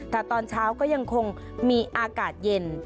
แต่ตอนเช้าก็ยังคงมีอากาศเย็น